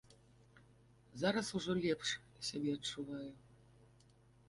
Зараз ужо лепш сябе адчуваю.